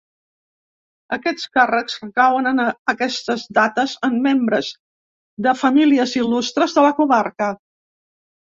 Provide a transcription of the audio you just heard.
Aquests càrrecs recauen en aquestes dates en membres de famílies il·lustres de la comarca.